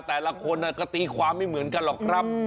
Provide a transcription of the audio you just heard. แต่ละคนก็ตีความไม่เหมือนกันหรอกครับ